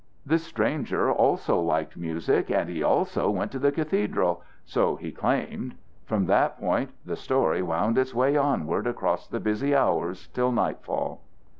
This stranger also liked music and he also went to the cathedral, so he claimed. From that point the story wound its way onward across the busy hours till nightfall.